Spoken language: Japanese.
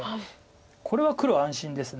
これは黒安心です。